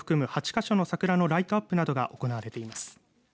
８か所の桜のライトアップなどが行われています。